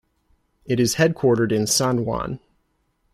It is headquartered in San Juan.